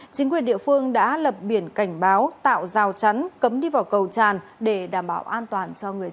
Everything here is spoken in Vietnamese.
chính quyền địa phương đã lập biển cảnh báo tạo rào chắn cấm đi vào cầu tràn để đảm bảo an toàn cho người dân